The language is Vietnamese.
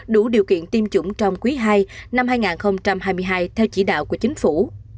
đủ điều kiện tiêm chủng trong quý ii năm hai nghìn hai mươi hai theo chỉ đạo của chính phủ